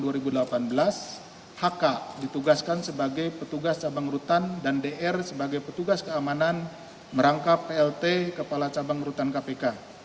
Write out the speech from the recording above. hk ditugaskan sebagai petugas cabang rutan dan dr sebagai petugas keamanan merangkap plt kepala cabang rutan kpk